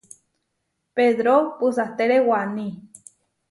Pedró puʼsatere waní.